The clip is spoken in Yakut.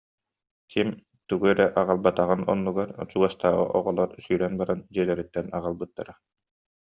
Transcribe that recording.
Ким тугу эрэ аҕалбатаҕын оннугар чугастааҕы оҕолор сүүрэн баран дьиэлэриттэн аҕалбыттара